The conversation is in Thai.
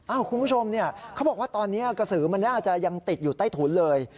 คุณผู้ชมเขาบอกว่าตอนนี้กระสือมันน่าจะยังติดอยู่ใต้ถุนเลย